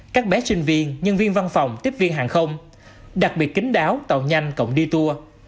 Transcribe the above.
các bé sinh viên nhân viên văn phòng tiếp viên hàng không đặc biệt kính đáo tàu nhanh cộng đi tour